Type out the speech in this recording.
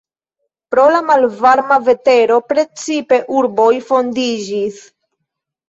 Pro la malvarma vetero precipe urboj fondiĝis.